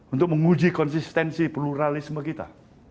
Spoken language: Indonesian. untuk menguji konsistensi pluralisme kita